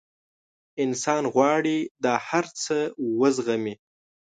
انسان غواړي دا هر څه وزغمي.